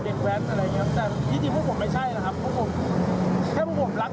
แล้วหน้ารถเรามีสัญลักษณ์ให้เห็นไหมครับ